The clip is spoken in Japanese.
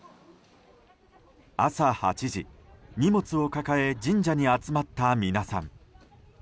朝８時、荷物を抱え神社に集まった皆さん。